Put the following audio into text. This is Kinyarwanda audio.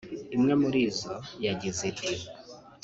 Imwe muri zo yagize iti